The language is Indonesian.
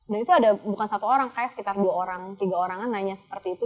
dan itu ada bukan satu orang sekitar dua orang tiga orang nanya seperti itu